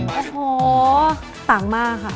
โอ้โหต่างมากค่ะ